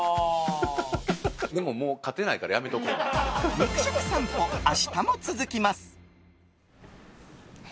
肉食さんぽ、明日も続きます。